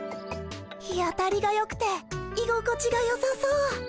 日当たりがよくていごこちがよさそう。